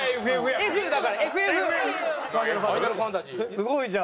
すごいじゃん。